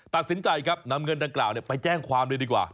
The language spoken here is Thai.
ตัดสินใจครับนำเงินดังกล่าวไปแจ้งความเลยดีกว่า